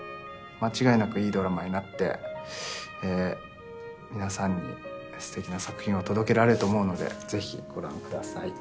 間違いなくいいドラマになって皆さんにすてきな作品を届けられると思うのでぜひご覧ください。